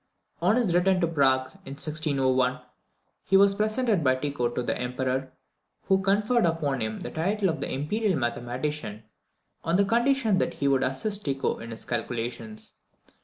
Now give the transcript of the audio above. On his return to Prague in 1601, he was presented by Tycho to the Emperor, who conferred upon him the title of Imperial Mathematician, on the condition that he would assist Tycho in his calculations.